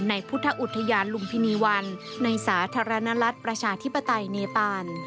ในพุทธอุทยานลุมพินีวันในสาธารณรัฐประชาธิปไตยเนปาน